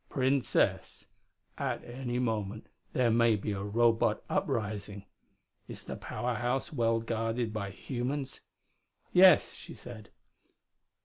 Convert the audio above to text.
"Princess, at any moment there may be a Robot uprising. Is the Power House well guarded by humans?" "Yes," she said.